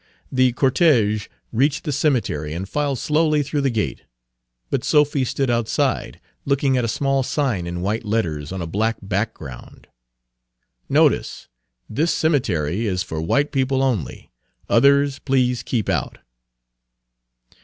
The cortége reached the cemetery and filed slowly through the gate; but Sophy stood outside, looking at a small sign in white letters on a black background: "Notice.This cemetery is for white people only. Others please keep out."